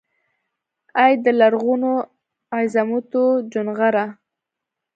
ای دلرغونوعظمتوچونغره!